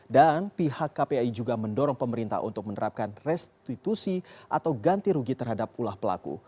dan pihak kpai juga mendorong pemerintah untuk menerapkan restitusi atau ganti rugi terhadap ulah pelaku